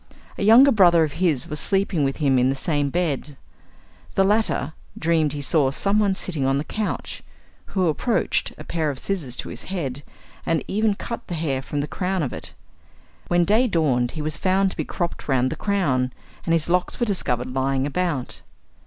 A younger brother of his was sleeping with him in the same bed. The latter dreamed he saw someone sitting on the couch, who approached a pair of scissors to his head, and even cut the hair from the crown of it. When day dawned he was found to be cropped round the crown, and his locks were discovered lying about.